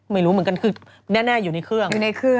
ไม่รู้เหมือนกันคือแน่อยู่ในเครื่อง